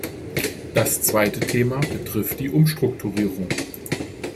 Das zweite Thema betrifft die Umstrukturierungen.